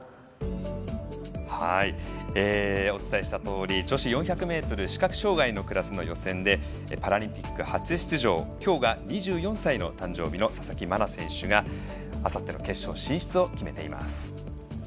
お伝えしたとおり女子４００ｍ視覚障がいのクラスの予選でパラリンピック初出場きょうが２４歳の誕生日の佐々木真菜選手があさっての決勝進出を決めています。